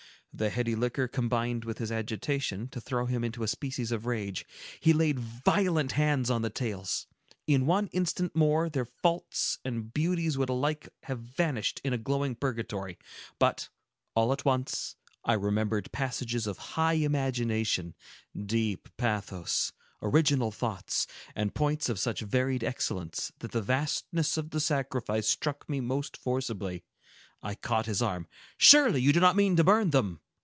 The heady liquor combined with his agitation to throw him into a species of rage. He laid violent hands on the tales. In one instant more, their faults and beauties would alike have vanished in a glowing purgatory. But, all at once, I remembered passages of high imagination, deep pathos, original thoughts, and points of such varied excellence, that the vastness of the sacrifice struck me most forcibly. I caught his arm. "Surely, you do not mean to burn them!"